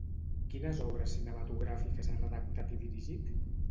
Quines obres cinematogràfiques ha redactat i dirigit?